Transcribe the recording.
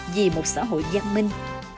vì một xã hội gian minh